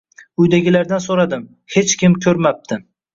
Uydagilardan soʻradim, hech kim koʻrmabdi